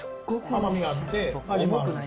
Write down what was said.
甘みがあって、味がある。